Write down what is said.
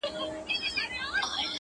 گراني ددې وطن په ورځ كي توره شپـه راځي”